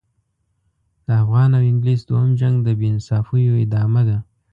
د افغان او انګلیس دوهم جنګ د بې انصافیو ادامه ده.